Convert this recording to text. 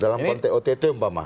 dalam konteks ott